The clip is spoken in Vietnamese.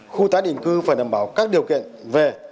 khu tái định cư phải đảm bảo các điều kiện về